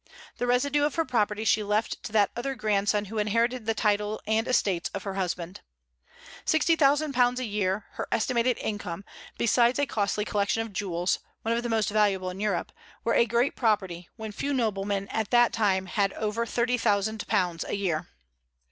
The residue of her property she left to that other grandson who inherited the title and estates of her husband. £60,000 a year, her estimated income, besides a costly collection of jewels, one of the most valuable in Europe, were a great property, when few noblemen at that time had over £30,000 a year.